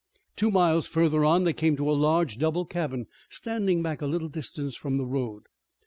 Two miles further on they came to a large, double cabin standing back a little distance from the road.